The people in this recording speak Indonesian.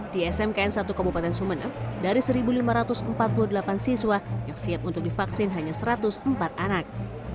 di smkn satu kabupaten sumeneb dari satu lima ratus empat puluh delapan siswa yang siap untuk divaksin hanya satu ratus empat anak